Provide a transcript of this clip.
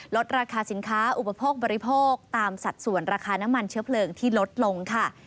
ลดราคาสินค้าอุปโภคบริโภคตามสัดส่วนราคาน้ำมันเชื้อเพลิงที่ลดลงค่ะ